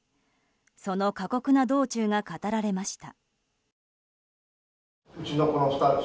その過酷な道中が語られました。